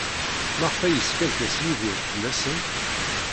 Maɣef ay yeskerkes Yidir fell-asent?